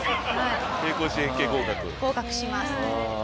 合格します。